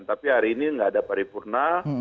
tapi hari ini tidak ada paripurna